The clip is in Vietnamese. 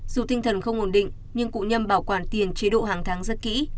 dù tinh thần không ổn định nhưng cụ nhâm bảo quản tiền chế độ hàng tháng rất kỹ